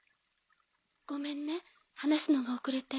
ごめんね話すのが遅れて。